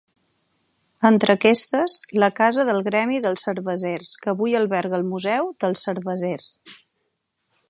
Entre aquestes, la casa del gremi dels cervesers que avui alberga el Museu dels Cervesers.